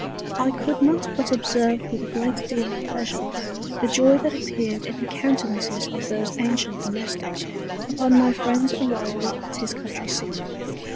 I could not but observe with a great deal of pleasure the Joy that appeared in the Countenances of these ancient Domesticks upon my Friend's Arrival at his Country Seat.